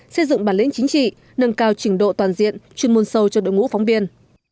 xây dựng bản lĩnh chính trị nâng cao trình độ toàn diện chuyên môn sâu cho đội ngũ phóng viên